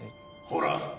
ほら！